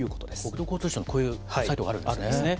国土交通省にこういうサイトがあるんですね。